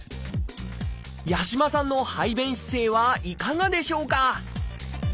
八嶋さんの排便姿勢はいかがでしょうか？